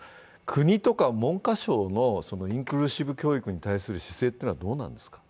国とか文科省のインクルーシブ教育に対する姿勢はどうなんですか。